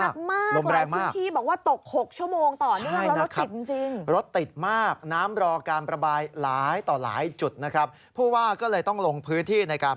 คุณจำได้สิตกหนักมากลมแรงมาก